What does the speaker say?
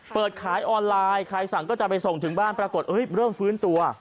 เปิดขายออนไลน์ใครสั่งก็จะไปส่งถึงบ้านปรากฏเริ่มฟื้นตัว